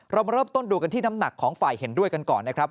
เรามาเริ่มต้นดูกันที่น้ำหนักของฝ่ายเห็นด้วยกันก่อนนะครับ